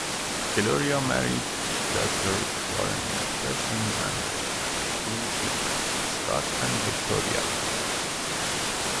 Gloria married Doctor Warren McPherson and they had two children, Scott and Victoria.